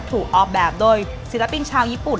ถูกออกแบบโดยศิลปินชาวญี่ปุ่น